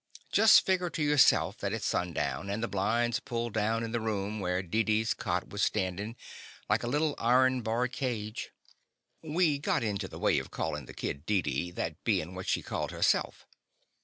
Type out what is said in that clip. Just figger to yourself that it 's sundown, and the blinds pulled down in the room where Deedee's cot was standin' like a little iron barred cage. We got into the way of callin' the kid Deedee, that bein' what she called herself.